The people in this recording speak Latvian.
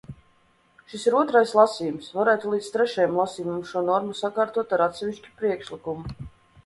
Šis ir otrais lasījums, varētu līdz trešajam lasījumam šo normu sakārtot ar atsevišķu priekšlikumu.